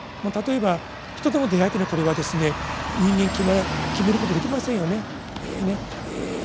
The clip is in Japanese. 例えば人との出会いっていうのはこれはですね人間決めることできませんよね。